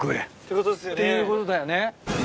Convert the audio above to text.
いうことだよね。